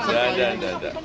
tidak ada tidak ada